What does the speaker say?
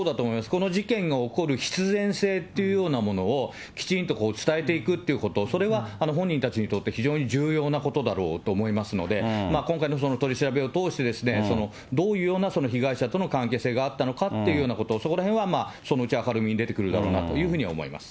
この事件が起こる必然性というようなものをきちんと伝えていくっていうこと、それは本人たちにとって非常に重要なことだろうと思いますので、今回のその取り調べを通して、どういうような被害者との関係性があったのかというようなこと、そこらへんはそのうち明るみに出てくるだろうなというふうに思います。